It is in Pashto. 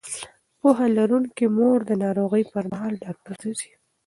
پوهه لرونکې مور د ناروغۍ پر مهال ډاکټر ته ځي.